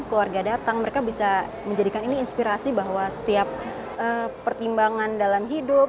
keluarga datang mereka bisa menjadikan ini inspirasi bahwa setiap pertimbangan dalam hidup